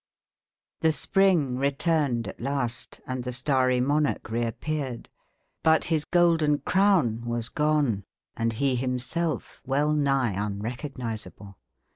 The spring returned at last, and the starry monarch reappeared, but his golden crown was gone, and he himself well nigh unrecognisable.